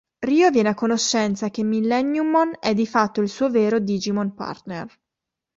Ryo viene a conoscenza che Millenniummon è di fatto il suo vero Digimon partner.